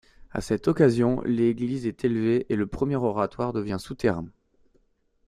À cette occasion, l'église est élevée et le premier oratoire devient souterrain.